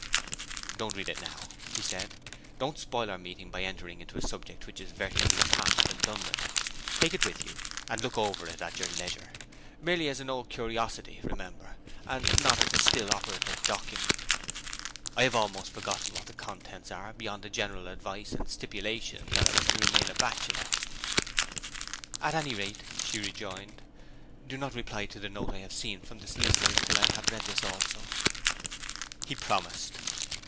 'Don't read it now,' he said. 'Don't spoil our meeting by entering into a subject which is virtually past and done with. Take it with you, and look it over at your leisure merely as an old curiosity, remember, and not as a still operative document. I have almost forgotten what the contents are, beyond the general advice and stipulation that I was to remain a bachelor.' 'At any rate,' she rejoined, 'do not reply to the note I have seen from the solicitors till I have read this also.' He promised.